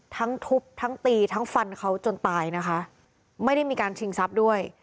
ทั้งทุบทั้งตีทั้งฟันเขาจนตายนะคะไม่ได้มีการชิงทรัพย์ด้วย